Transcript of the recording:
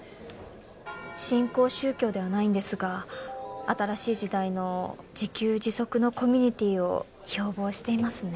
新興宗教ではないんですが新しい時代の自給自足のコミュニティーを標榜していますね。